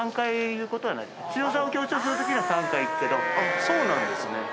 あそうなんですね。